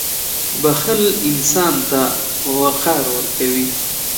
• بښل انسان ته وقار ورکوي.